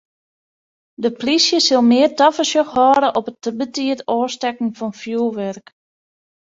De polysje sil mear tafersjoch hâlde op it te betiid ôfstekken fan fjoerwurk.